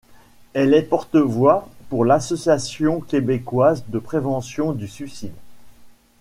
Elle est porte-voix pour l'Association Québécoise de prévention du suicide.